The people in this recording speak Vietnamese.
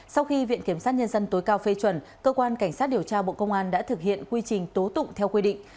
sau khi viện kiểm sát nhân dân tối cao phê chuẩn cơ quan cảnh sát điều tra bộ công an đã thực hiện quy trình tố tụng theo quy định